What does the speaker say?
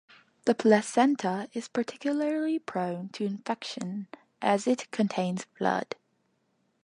The placenta is particularly prone to infection as it contains blood.